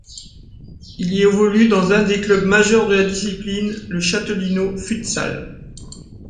Il y évolue dans un des clubs majeurs de la discipline, le Châtelineau Futsal.